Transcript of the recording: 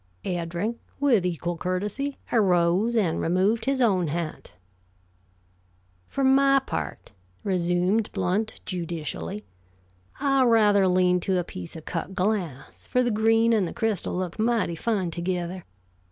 Eddring, with equal courtesy, arose and removed his own hat. "For my part," resumed Blount, judicially, "I rather lean to a piece of cut glass, for the green and the crystal look mighty fine together.